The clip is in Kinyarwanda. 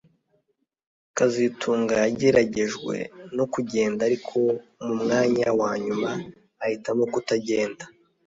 kazitunga yageragejwe no kugenda ariko mu mwanya wa nyuma ahitamo kutagenda